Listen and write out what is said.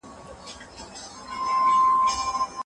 ښوونکو دا موضوعات نه بیانول.